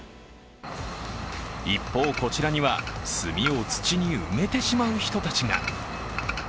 一方、こちらには、炭を土に埋めてしまう人たちが。